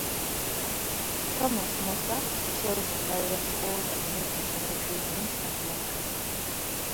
Thomas Moser details the various Old and New Testament readings at length.